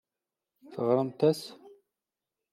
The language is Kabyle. Teɣramt-as?